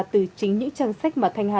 từ chính những trang sách mà thanh hà